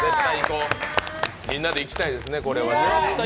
みんなで行きたいですね、これは。